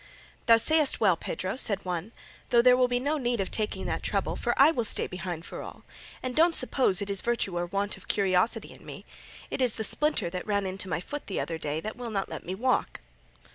"Thou sayest well, Pedro," said one, "though there will be no need of taking that trouble, for I will stay behind for all; and don't suppose it is virtue or want of curiosity in me; it is that the splinter that ran into my foot the other day will not let me walk."